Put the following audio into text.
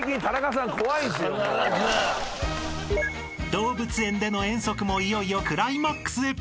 ［動物園での遠足もいよいよクライマックスへ］